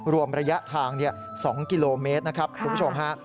รวมระยะทาง๒กิโลเมตรนะครับคุณผู้ชมฮะ